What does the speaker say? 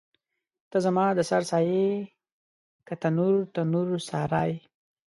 ته زما د سر سایه یې که تنور، تنور سارا یې